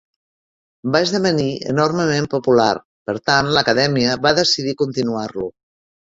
Va esdevenir enormement popular, per tant l'Acadèmia va decidir continuar-lo.